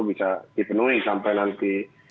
bisa dipenuhi sampai nanti